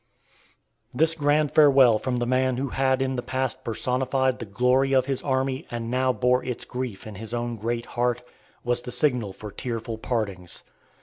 This grand farewell from the man who had in the past personified the glory of his army and now bore its grief in his own great heart, was the signal for tearful partings.